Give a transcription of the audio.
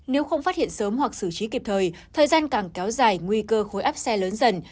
nếu không phát hiện sớm hoặc xử trí kịp thời thời gian càng kéo dài nguy cơ khối áp xe lớn dần